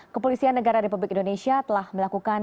kepolisian negara republik indonesia telah melakukan